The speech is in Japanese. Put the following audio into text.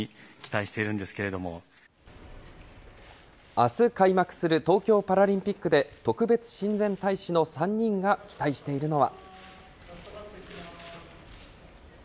あす開幕する東京パラリンピックで、特別親善大使の３人が期待しているのは。